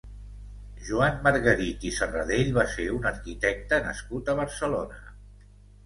Joan Margarit i Serradell va ser un arquitecte nascut a Barcelona.